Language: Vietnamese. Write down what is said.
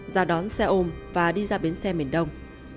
ra đón xe ôm và đi ra bến xe miền đông